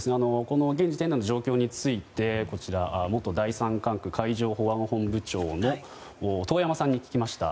現時点の状況について元第３管区海上保安本部長の遠山さんに聞きました。